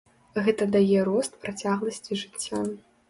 Гэта дае рост працягласці жыцця.